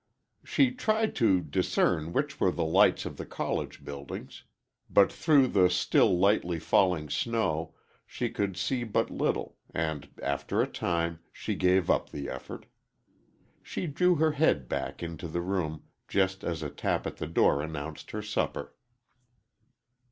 She tried to discern which were the lights of the college buildings, but through the still lightly falling snow, she could see but little, and after a time, she gave up the effort. She drew her head back into the room just as a tap at the door announced her supper.